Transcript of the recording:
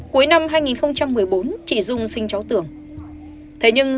cuối năm hai nghìn một mươi bốn chị dung sinh cháu tưởng